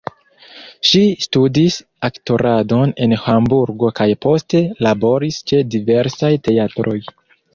Ŝi studis aktoradon en Hamburgo kaj poste laboris ĉe diversaj teatroj.